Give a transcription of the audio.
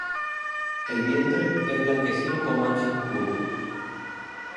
El vientre es blanquecino con manchas oscuras.